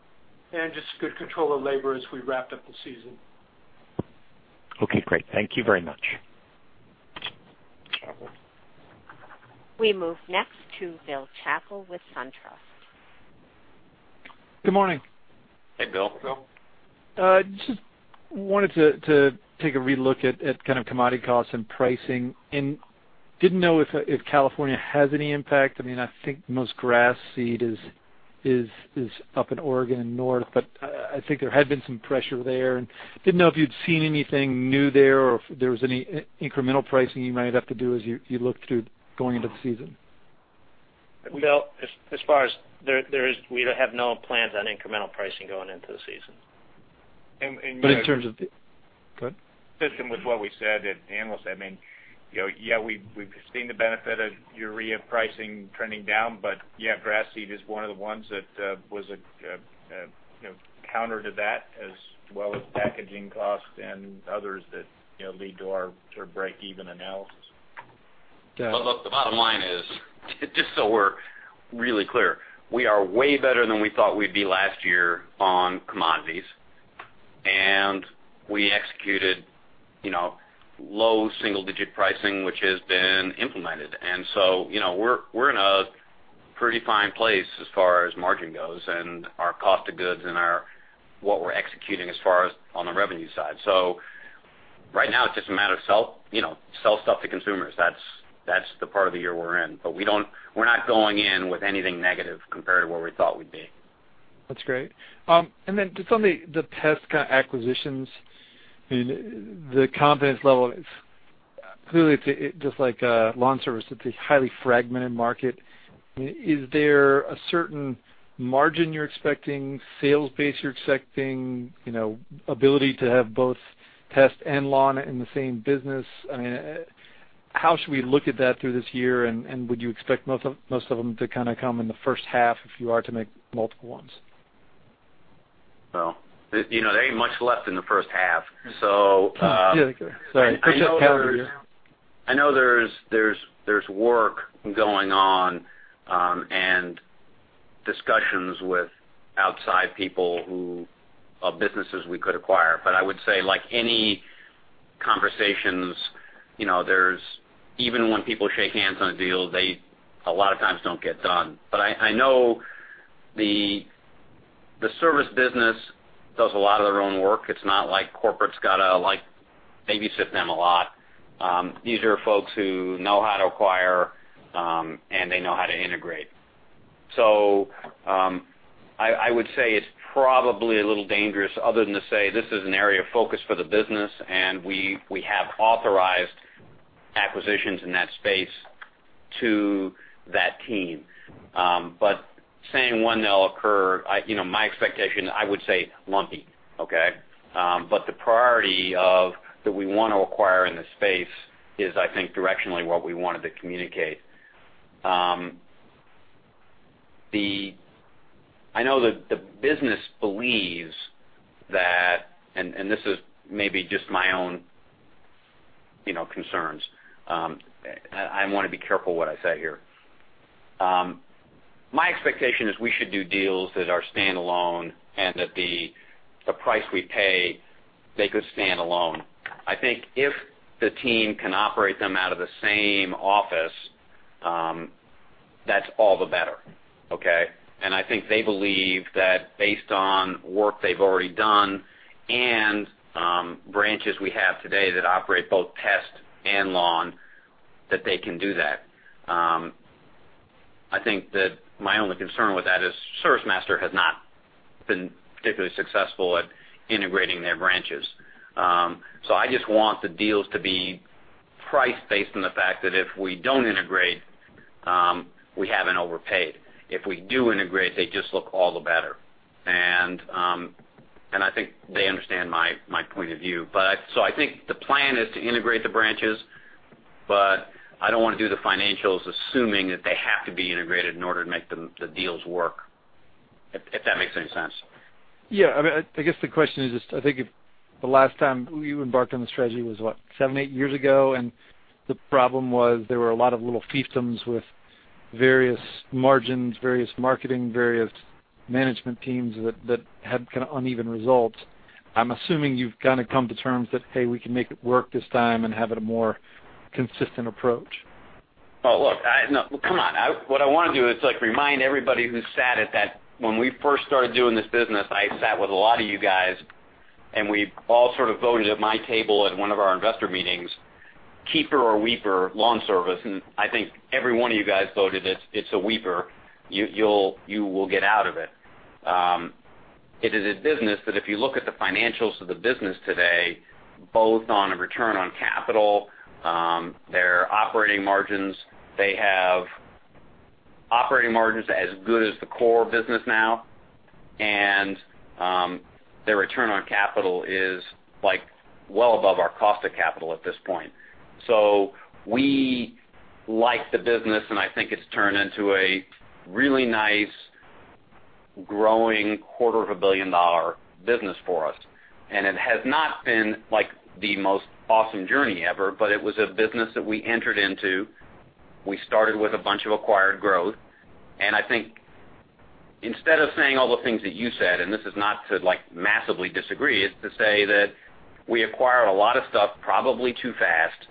Speaker 11: and just good control of labor as we wrapped up the season.
Speaker 10: Great. Thank you very much.
Speaker 1: We move next to Bill Chappell with SunTrust.
Speaker 12: Good morning.
Speaker 3: Hey, Bill.
Speaker 4: Bill.
Speaker 12: Just wanted to take a relook at kind of commodity costs and pricing, and didn't know if California has any impact. I think most grass seed is up in Oregon and north, but I think there had been some pressure there. Didn't know if you'd seen anything new there or if there was any incremental pricing you might have to do as you look through going into the season.
Speaker 4: Bill, we have no plans on incremental pricing going into the season.
Speaker 12: In terms of Go ahead.
Speaker 3: Consistent with what we said at Analyst Day, yeah, we've seen the benefit of urea pricing trending down. Yeah, grass seed is one of the ones that was a counter to that, as well as packaging costs and others that lead to our breakeven analysis.
Speaker 12: Got it.
Speaker 3: Look, the bottom line is, just so we're really clear, we are way better than we thought we'd be last year on commodities. We executed low single-digit pricing, which has been implemented. We're in a pretty fine place as far as margin goes and our cost of goods and what we're executing as far as on the revenue side. Right now, it's just a matter of sell stuff to consumers. That's the part of the year we're in, but we're not going in with anything negative compared to where we thought we'd be.
Speaker 12: That's great. Then just on the pest acquisitions, the confidence level, clearly just like lawn service, it's a highly fragmented market. Is there a certain margin you're expecting, sales base you're expecting, ability to have both pest and lawn in the same business? How should we look at that through this year, and would you expect most of them to come in the first half if you are to make multiple ones?
Speaker 3: There ain't much left in the first half.
Speaker 12: Yeah. Sorry.
Speaker 3: I know there's work going on and discussions with outside people who have businesses we could acquire. I would say, like any conversations, even when people shake hands on a deal, they a lot of times don't get done. I know the service business does a lot of their own work. It's not like corporate's got to babysit them a lot. These are folks who know how to acquire, and they know how to integrate. I would say it's probably a little dangerous other than to say, this is an area of focus for the business, and we have authorized acquisitions in that space to that team. Saying when they'll occur, my expectation, I would say lumpy. Okay. The priority that we want to acquire in this space is, I think, directionally what we wanted to communicate. I know that the business believes that, and this is maybe just my own concerns. I want to be careful what I say here. My expectation is we should do deals that are standalone and that the price we pay, they could stand alone. I think if the team can operate them out of the same office, that's all the better. Okay. I think they believe that based on work they've already done and branches we have today that operate both pest and lawn, that they can do that. I think that my only concern with that is ServiceMaster has not been particularly successful at integrating their branches. I just want the deals to be priced based on the fact that if we don't integrate, we haven't overpaid. If we do integrate, they just look all the better. I think they understand my point of view. I think the plan is to integrate the branches, but I don't want to do the financials assuming that they have to be integrated in order to make the deals work, if that makes any sense.
Speaker 12: Yeah. I guess the question is just, I think the last time you embarked on the strategy was what? Seven, eight years ago. The problem was there were a lot of little fiefdoms with various margins, various marketing, various management teams that had kind of uneven results. I'm assuming you've kind of come to terms that, hey, we can make it work this time and have it a more consistent approach.
Speaker 3: Oh, look, no. Come on. What I want to do is remind everybody who sat at that. When we first started doing this business, I sat with a lot of you guys, and we all sort of voted at my table at one of our investor meetings, keeper or weeper Scotts LawnService, and I think every one of you guys voted it's a weeper. You will get out of it. It is a business that if you look at the financials of the business today, both on a return on capital, their operating margins, they have operating margins as good as the core business now. Their return on capital is well above our cost of capital at this point. We like the business, and I think it's turned into a really nice growing quarter of a billion-dollar business for us. It has not been the most awesome journey ever, but it was a business that we entered into. We started with a bunch of acquired growth. I think instead of saying all the things that you said, and this is not to massively disagree, it's to say that we acquired a lot of stuff probably too fast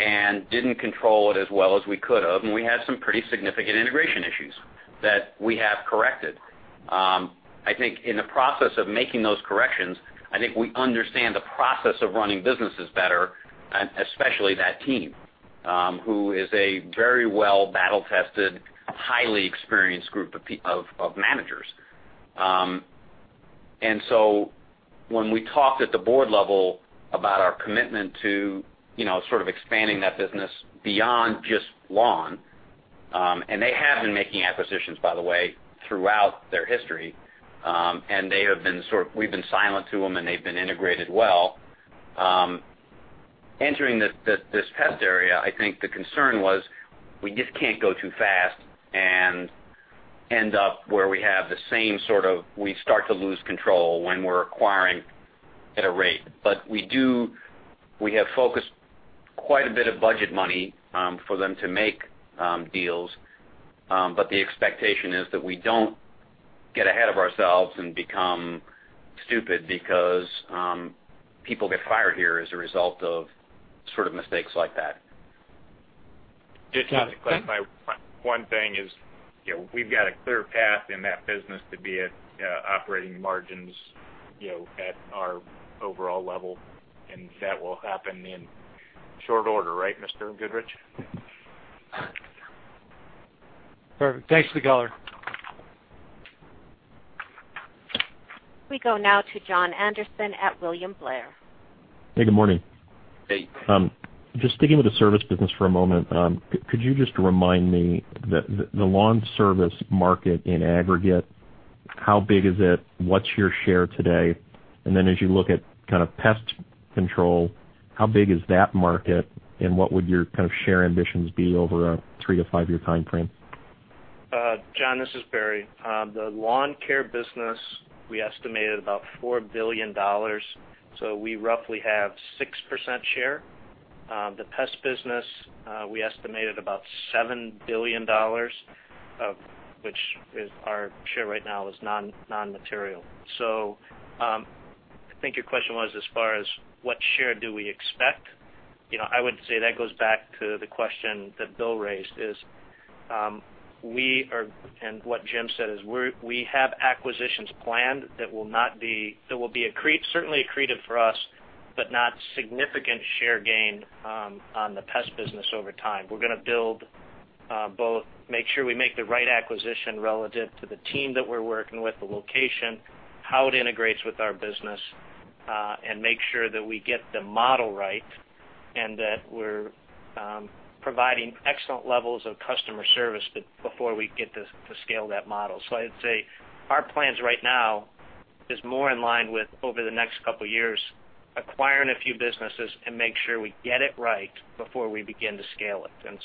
Speaker 3: and didn't control it as well as we could have, and we had some pretty significant integration issues that we have corrected. I think in the process of making those corrections, I think we understand the process of running businesses better, especially that team who is a very well battle-tested, highly experienced group of managers. When we talked at the board level about our commitment to sort of expanding that business beyond just lawn, and they have been making acquisitions, by the way, throughout their history. We've been silent to them, and they've been integrated well. Entering this pest area, I think the concern was we just can't go too fast and end up where we have the same sort of, we start to lose control when we're acquiring at a rate. We have focused quite a bit of budget money for them to make deals. The expectation is that we don't get ahead of ourselves and become stupid because people get fired here as a result of mistakes like that.
Speaker 5: Just to clarify one thing is we've got a clear path in that business to be at operating margins at our overall level, and that will happen in short order. Right, Mr. Goodrich?
Speaker 12: Perfect. Thanks for the color.
Speaker 1: We go now to Jon Andersen at William Blair.
Speaker 13: Hey, good morning.
Speaker 4: Hey.
Speaker 13: Just sticking with the service business for a moment, could you just remind me the lawn service market in aggregate, how big is it? What's your share today? Then as you look at pest control, how big is that market, and what would your kind of share ambitions be over a three to five-year time frame?
Speaker 4: Jon, this is Barry. The lawn care business, we estimated about $4 billion. We roughly have 6% share. The pest business, we estimated about $7 billion, of which our share right now is non-material. I think your question was as far as what share do we expect. I would say that goes back to the question that Bill raised is, and what Jim said is we have acquisitions planned that will be certainly accretive for us, but not significant share gain on the pest business over time. We are going to build both, make sure we make the right acquisition relative to the team that we are working with, the location, how it integrates with our business, and make sure that we get the model right, and that we are providing excellent levels of customer service before we get to scale that model. I'd say our plans right now is more in line with over the next couple of years, acquiring a few businesses and make sure we get it right before we begin to scale it.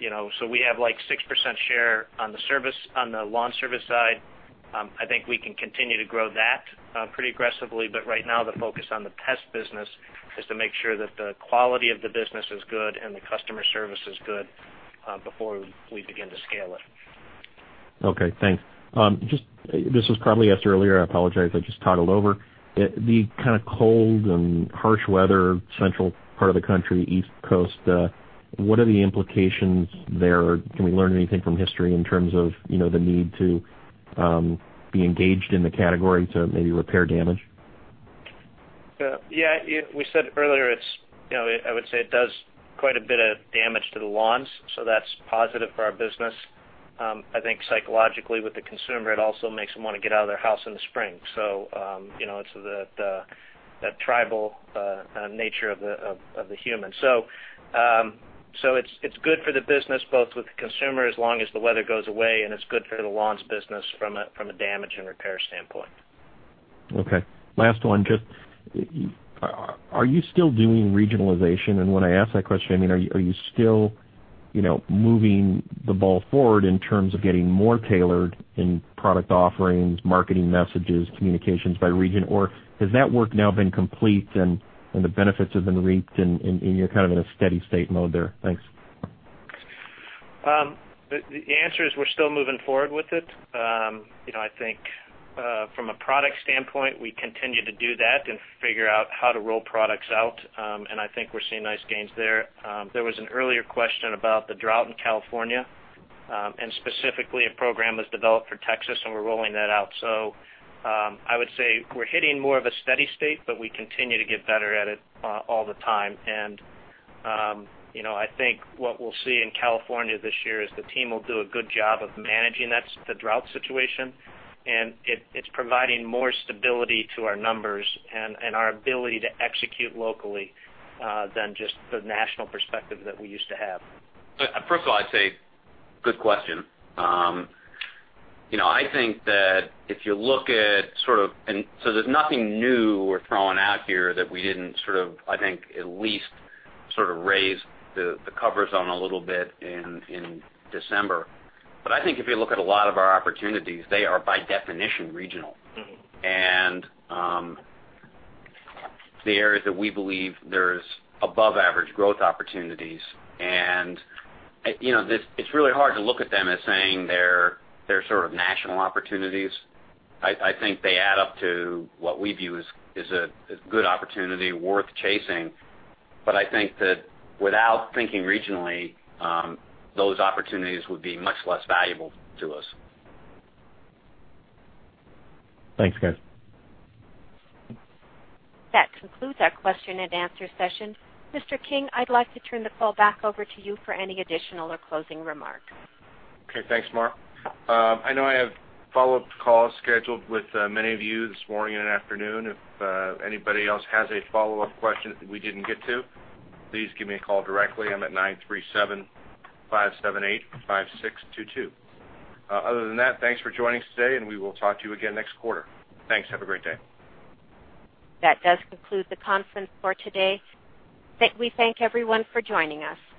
Speaker 4: We have 6% share on the lawn service side. I think we can continue to grow that pretty aggressively. Right now, the focus on the pest business is to make sure that the quality of the business is good and the customer service is good before we begin to scale it.
Speaker 13: Okay, thanks. This was probably asked earlier, I apologize, I just toddled over. The kind of cold and harsh weather, central part of the country, East Coast. What are the implications there? Can we learn anything from history in terms of the need to be engaged in the category to maybe repair damage?
Speaker 4: Yeah. We said earlier, I would say it does quite a bit of damage to the lawns, that's positive for our business. I think psychologically with the consumer, it also makes them want to get out of their house in the spring. It's the tribal nature of the human. It's good for the business, both with the consumer as long as the weather goes away, and it's good for the lawns business from a damage and repair standpoint.
Speaker 13: Last one, just are you still doing regionalization? When I ask that question, are you still moving the ball forward in terms of getting more tailored in product offerings, marketing messages, communications by region? Has that work now been complete and the benefits have been reaped, and you're kind of in a steady state mode there? Thanks.
Speaker 4: The answer is we're still moving forward with it. I think from a product standpoint, we continue to do that and figure out how to roll products out, and I think we're seeing nice gains there. There was an earlier question about the drought in California, and specifically a program was developed for Texas, and we're rolling that out. I would say we're hitting more of a steady state, but we continue to get better at it all the time. I think what we'll see in California this year is the team will do a good job of managing the drought situation, and it's providing more stability to our numbers and our ability to execute locally than just the national perspective that we used to have.
Speaker 3: First of all, I'd say good question. I think that if you look at there's nothing new we're throwing out here that we didn't sort of, I think, at least sort of raise the covers on a little bit in December. I think if you look at a lot of our opportunities, they are by definition regional. The areas that we believe there's above average growth opportunities. It's really hard to look at them as saying they're sort of national opportunities. I think they add up to what we view as a good opportunity worth chasing. I think that without thinking regionally, those opportunities would be much less valuable to us.
Speaker 13: Thanks, guys.
Speaker 1: That concludes our question and answer session. Mr. King, I'd like to turn the call back over to you for any additional or closing remarks.
Speaker 2: Okay. Thanks, Mark. I know I have follow-up calls scheduled with many of you this morning and afternoon. If anybody else has a follow-up question that we didn't get to, please give me a call directly. I'm at 937-578-5622. Other than that, thanks for joining us today, and we will talk to you again next quarter. Thanks. Have a great day.
Speaker 1: That does conclude the conference for today. We thank everyone for joining us.